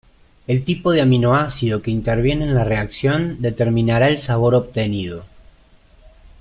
El tipo de aminoácido que interviene en la reacción determinará el sabor obtenido.